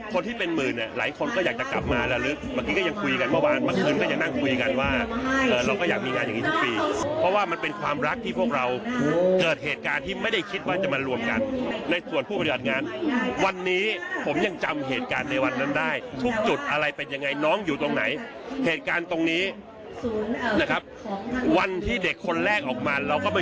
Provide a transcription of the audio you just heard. ส่วนตัวภูมิใจมากที่ได้เป็นอย่างดีส่วนตัวภูมิใจมากที่ได้เป็นอย่างดีส่วนตัวภูมิใจมากที่ได้เป็นอย่างดีส่วนตัวภูมิใจมากที่ได้เป็นอย่างดีส่วนตัวภูมิใจมากที่ได้เป็นอย่างดีส่วนตัวภูมิใจมากที่ได้เป็นอย่างดีส่วนตัวภูมิใจมากที่ได้เป็นอย่างดีส่วนตัวภูมิใจมากที่